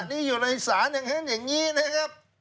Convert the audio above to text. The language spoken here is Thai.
นี่อยู่ในศาลอย่างนั้นอย่างนี้นะครับ